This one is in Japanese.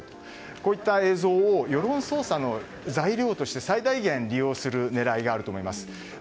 こういった映像を世論操作の材料として最大限利用する狙いがあると思います。